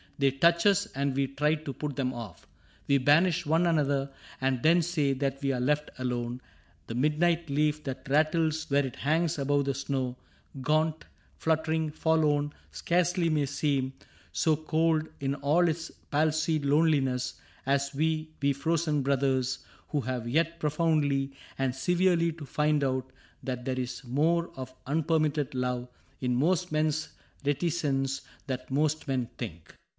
They touch us, and we try to put them off. We banish one another and then say That we are left alone : the midnight leaf That rattles where it hangs above the snow — Gaunt, fluttering, forlorn — scarcely may seem So cold in all its palsied loneliness As we, we frozen brothers, who have yet Profoundly and severely to find out That there is more of unpermitted love In most men's reticence than most men think.